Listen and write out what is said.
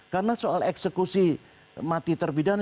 karena soal eksekusi mati terpidana